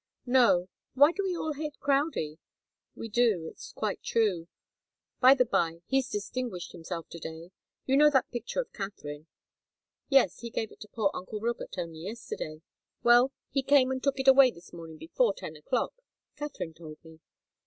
"No. Why do we all hate Crowdie? We do it's quite true. By the bye, he's distinguished himself to day. You know that picture of Katharine?" "Yes he gave it to poor uncle Robert only yesterday." "Well he came and took it away this morning before ten o'clock. Katharine told me."